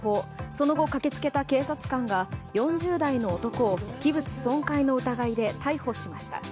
その後、駆け付けた警察官が４０代の男を器物損壊の疑いで逮捕しました。